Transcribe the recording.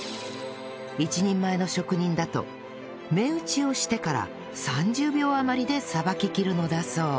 一人前の職人だと目打ちをしてから３０秒余りで捌ききるのだそう